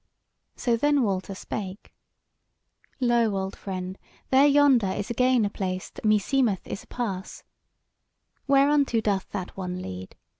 So then Walter spake: "Lo, old friend, there yonder is again a place that meseemeth is a pass; whereunto doth that one lead?"